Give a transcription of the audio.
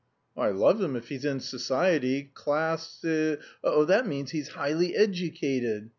"I love him if he's in society, clas si... that means he's high ly ed u cated.